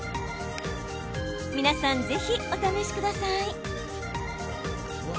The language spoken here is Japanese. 皆さん、ぜひお試しください。